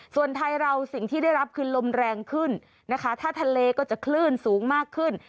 ส่วนไทยเราสิ่งที่ได้รับคือลมแรงขึ้นนะคะถ้าทะเลก็จะคลื่นสูงมากขึ้น